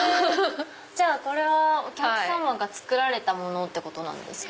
じゃあこれはお客さまが作られたものなんですか？